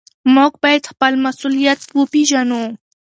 موږ بايد خپل مسؤليت وپېژنو.